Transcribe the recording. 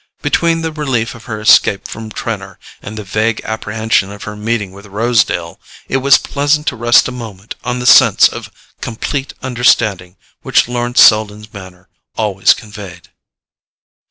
Between the relief of her escape from Trenor, and the vague apprehension of her meeting with Rosedale, it was pleasant to rest a moment on the sense of complete understanding which Lawrence Selden's manner always conveyed.